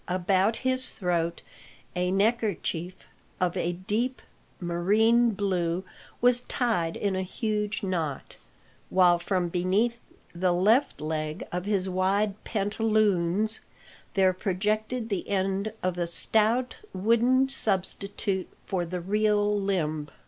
About his throat a neckerchief of a deep marine blue was tied in a huge knot; while from beneath the left leg of his wide pantaloons there projected the end of a stout wooden substitute for the real limb.